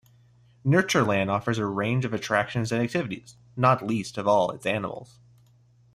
Natureland offers a range of attractions and activities, not least of all its animals.